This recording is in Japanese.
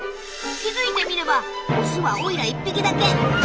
気付いてみればオスはオイラ１匹だけ。